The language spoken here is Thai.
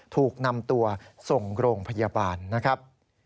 ถูกนำตัวส่งโรงพยาบาลนะครับ